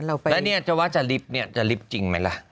แล้วนี่จะว่าจะลิฟท์จริงไหมล่ะ